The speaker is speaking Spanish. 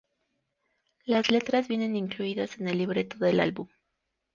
Las letras vienen incluidas en el libreto del álbum.